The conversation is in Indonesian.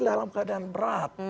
dalam keadaan berat